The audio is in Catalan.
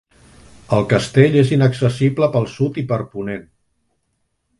El castell és inaccessible pel sud i per ponent.